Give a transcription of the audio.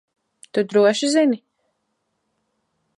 Tu droši zini?